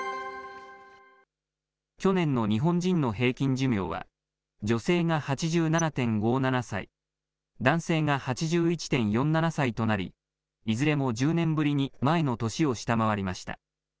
去年の日本人の平均寿命は、女性が８７．５７歳、男性が８１．４７歳となり、いずれも１０年ぶりに前の年を下回りました。